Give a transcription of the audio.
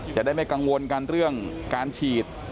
จะได้ไม่กังวลกันเรื่องการฉีด